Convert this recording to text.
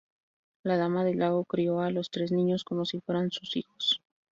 La Dama del Lago crio a los tres niños como si fueran sus hijos.